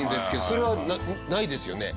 それはないですよね？